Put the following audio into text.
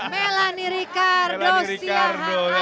melani ricardo siahaan hati yang memirsa